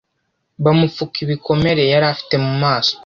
bamupfuka ibikomere yari afite mu maso